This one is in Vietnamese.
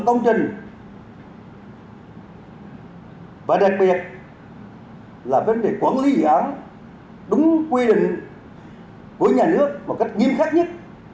công trình và đặc biệt là vấn đề quản lý dự án đúng quy định của nhà nước một cách nghiêm khắc nhất